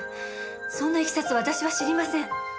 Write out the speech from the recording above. そんないきさつ私は知りません。